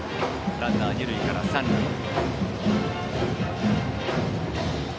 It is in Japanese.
ランナー、二塁から三塁に。